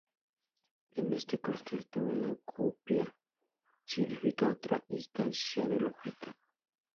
En este contexto, una copia significa otra instancia del objeto.